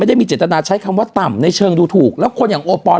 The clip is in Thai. ได้มีเจตนาใช้คำว่าต่ำในเชิงดูถูกแล้วคนอย่างโอปอล